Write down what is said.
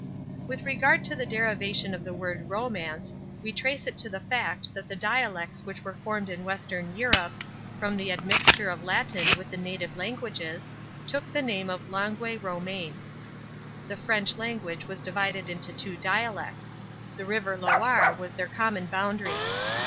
With regard to the derivation of the word "Romance," we trace it to the fact that the dialects which were formed in Western Europe, from the admixture of Latin with the native languages, took the name of Langue Romaine. The French language was divided into two dialects. The river Loire was their common boundary.